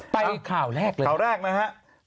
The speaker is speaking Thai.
ข่าวแรกเลยข่าวแรกนะฮะ